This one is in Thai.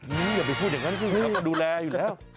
นี่อย่าไปพูดอย่างนั้นดูแลอยู่แล้ว